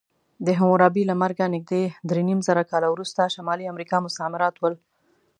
د حموربي له مرګه نږدې درېنیمزره کاله وروسته شمالي امریکا مستعمرات ول.